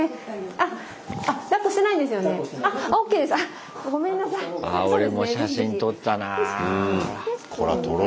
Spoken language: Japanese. あ俺も写真撮ったなぁ。